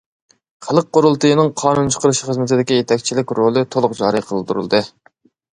خەلق قۇرۇلتىيىنىڭ قانۇن چىقىرىش خىزمىتىدىكى يېتەكچىلىك رولى تولۇق جارى قىلدۇرۇلدى.